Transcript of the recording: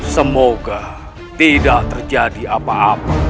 semoga tidak terjadi apa apa